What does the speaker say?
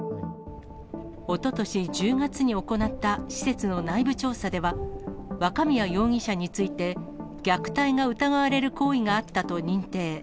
おととし１０月に行った施設の内部調査では、若宮容疑者について、虐待が疑われる行為があったと認定。